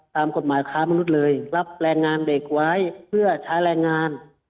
ตามกฎหมายค้ามนุษย์เลยรับแรงงานเด็กไว้เพื่อใช้แรงงาน